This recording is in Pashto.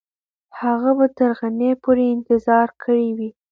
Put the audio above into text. هغه به تر غرمې پورې انتظار کړی وي.